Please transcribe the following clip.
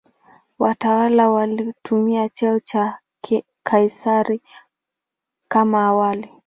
Watawala walitumia cheo cha "Kaisari" kama awali.